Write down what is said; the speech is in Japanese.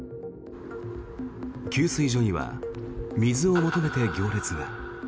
給水所には水を求めて行列が。